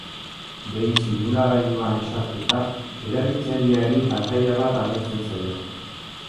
Behin simulagailuan sartuta, erabiltzaileari pantaila bat agertzen zaio.